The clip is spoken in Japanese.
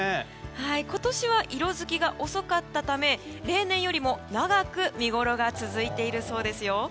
今年は色づきが遅かったため例年よりも長く見ごろが続いているそうですよ。